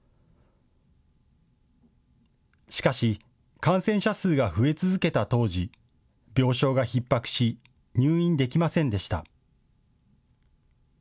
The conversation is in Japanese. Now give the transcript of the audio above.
しかし感染者数が増え続けた当時、病床がひっ迫し入院できませんでした。